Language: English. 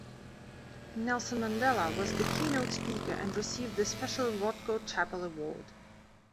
Nelson Mandela was the keynote speaker and received the special Rothko Chapel award.